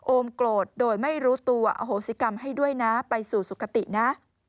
โกรธโดยไม่รู้ตัวอโหสิกรรมให้ด้วยนะไปสู่สุขตินะ